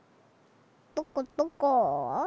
どこどこ？